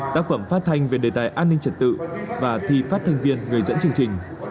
tác phẩm phát thanh về đề tài an ninh trật tự và thi phát thanh viên người dẫn chương trình